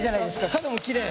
角もきれい。